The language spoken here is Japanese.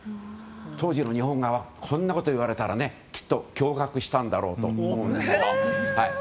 当時の日本側こんなこと言われたらきっと驚愕したんだろうと思います。